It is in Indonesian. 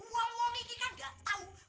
uang uang ini kan gak tahu